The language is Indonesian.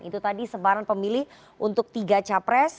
itu tadi sebaran pemilih untuk tiga capres